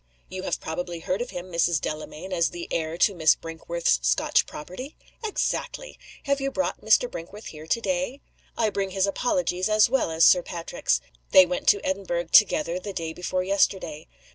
"You have probably heard of him, Mrs. Delamayn, as the heir to Miss Brinkworth's Scotch property?" "Exactly! Have you brought Mr. Brinkworth here to day?" "I bring his apologies, as well as Sir Patrick's. They went to Edinburgh together the day before yesterday.